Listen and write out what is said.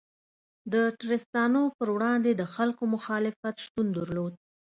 د ټرستانو پر وړاندې د خلکو مخالفت شتون درلود.